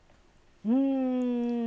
うん。